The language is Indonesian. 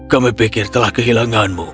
kami pikir telah kehilanganmu